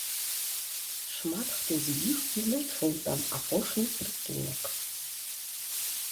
Шмат хто з іх і знайшоў там апошні прытулак.